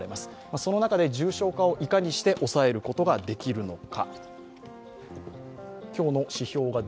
その中で重症化をいかにして抑えることができるのか。